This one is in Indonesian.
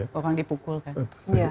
orang dipukul kan